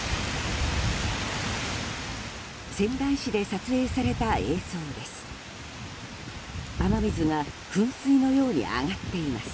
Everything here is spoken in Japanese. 仙台市で撮影された映像です。